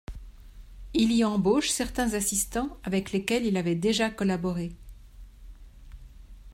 Il y embauche certains assistants avec lesquels il avait déjà collaboré.